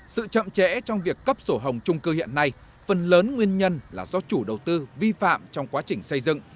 sự chậm trễ trong việc cấp sổ hồng trung cư hiện nay phần lớn nguyên nhân là do chủ đầu tư vi phạm trong quá trình xây dựng